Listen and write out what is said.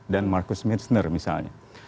dan marcus meissner misalnya